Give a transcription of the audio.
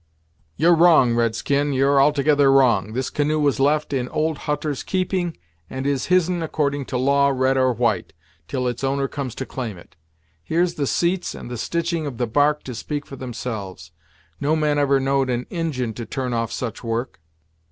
"You're wrong, red skin, you're altogether wrong. This canoe was left in old Hutter's keeping, and is his'n according to law, red or white, till its owner comes to claim it. Here's the seats and the stitching of the bark to speak for themselves. No man ever know'd an Injin to turn off such work."